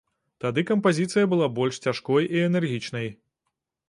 Тады кампазіцыя была больш цяжкой і энергічнай.